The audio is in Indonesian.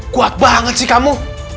kuat banget sih kamu